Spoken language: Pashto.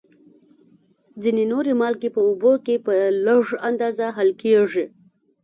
ځینې نورې مالګې په اوبو کې په لږ اندازه حل کیږي.